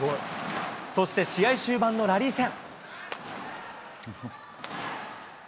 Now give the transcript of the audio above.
そして試合終盤のラリー戦。